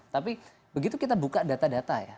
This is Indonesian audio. tapi begitu kita buka data data ya